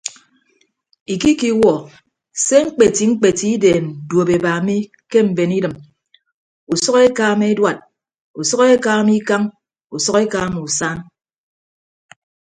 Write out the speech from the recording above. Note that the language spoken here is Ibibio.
Ikikiwuọ se mkpeti mkpeti ideen duopeba mi ke mben idịm usʌk ekama eduad usʌk ekama ikañ usʌk ekama usam.